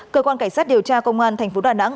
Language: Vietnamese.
cơ quan cảnh sát điều tra công an thành phố đà nẵng